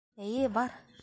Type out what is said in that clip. Эйе, бар.